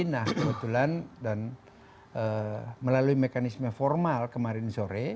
nah kebetulan dan melalui mekanisme formal kemarin sore